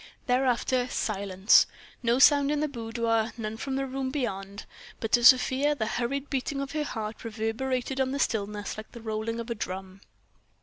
Thereafter, silence, no sound in the boudoir, none from the room beyond. But to Sofia the hurried beating of her heart reverberated on the stillness like the rolling of a drum.